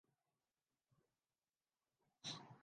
سیاست میں آگے بڑھنے کے لیے یہی ان کا زاد راہ تھا۔